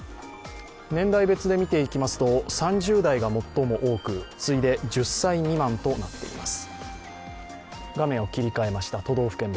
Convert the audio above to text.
年代別で見ていきますと３０代が最も多く次いで１０歳未満となっています。